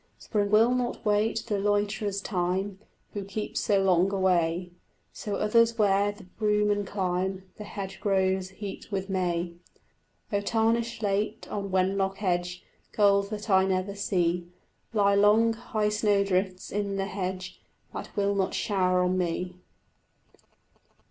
Spring will not wait the loiterer's time Who keeps so long away; So others wear the broom and climb The hedgerows heaped with may. Oh tarnish late on Wenlock Edge, Gold that I never see; Lie long, high snowdrifts in the hedge That will not shower on me.